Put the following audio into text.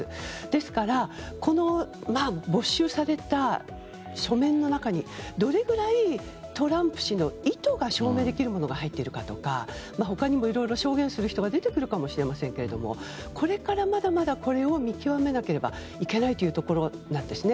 ですから、没収された書面の中にどれぐらいトランプ氏の意図が証明できるものが入っているかとか他にもいろいろ証言する人が出てくるかもしれませんがこれから、まだまだこれを見極めなければいけないところなんです。